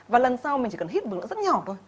và lần sau mình chỉ cần hít vừa nữa rất nhỏ thôi